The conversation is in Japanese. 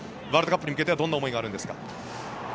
ワールドカップに向けてはどんな思いがあるんですか？